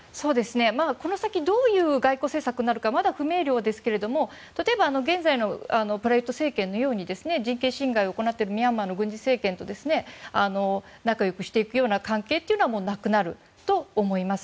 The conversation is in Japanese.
この先どういう外交政策になるかまだ不明瞭ですけど例えば現在のプラユット政権のように人権侵害を行っているミャンマーの軍事政権と仲良くしていくような関係はなくなると思います。